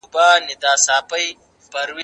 په دې ښار کي په سلگونو یې خپلوان وه